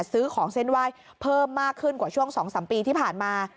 ซื้อของเส้นไหว้เพิ่มมากขึ้นกว่าช่วง๒๓ปีที่ผ่านมา